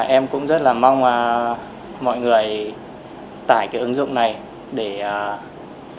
em cũng rất là mong mọi người tải cái ứng dụng này để tự bảo vệ mình